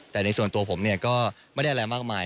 แต่ในส่วนตัวผมก็ไม่ได้อะไรมากมาย